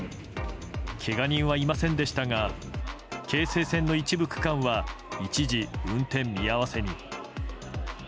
けが人はいませんでしたが京成線の一部区間は一時、運転見合わせに。